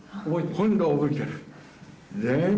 今度は覚えてる。